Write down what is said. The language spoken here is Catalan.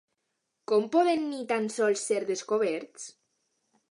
Com poden ni tan sols ser descoberts?